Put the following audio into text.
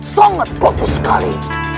sangat bagus sekali